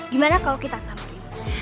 gimana kalau kita sampe